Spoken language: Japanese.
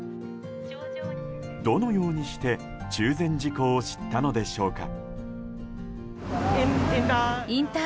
どのようにして中禅寺湖を知ったのでしょうか。